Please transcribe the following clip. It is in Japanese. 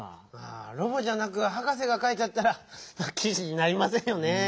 ああロボじゃなくハカセがかいちゃったらきじになりませんよねぇ。